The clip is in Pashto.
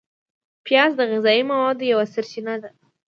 پیاز د غذایي موادو یوه سرچینه ده